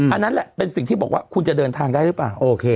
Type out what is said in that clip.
อันนั้นแหละเป็นสิ่งที่บอกว่าคุณจะเดินทางได้หรือเปล่าโอเค